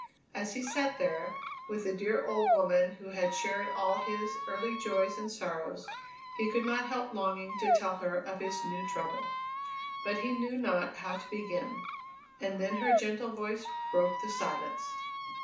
As he sat there, with the dear old woman who had shared all his early joys and sorrows, he could not help longing to tell her of his new trouble. But he knew not how to begin. And then her gentle voice broke the silence.